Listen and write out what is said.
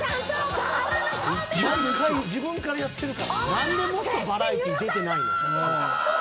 何でもっとバラエティー出てないねん。